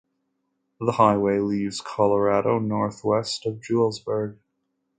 The highway leaves Colorado northwest of Julesburg.